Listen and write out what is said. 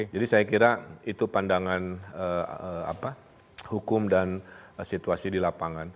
jadi saya kira itu pandangan hukum dan situasi di lapangan